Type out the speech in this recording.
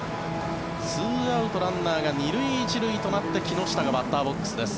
２アウトランナーが２塁１塁となって木下がバッターボックスです。